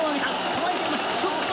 捕らえています。